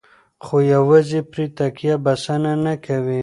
خو یوازې پرې تکیه بسنه نه کوي.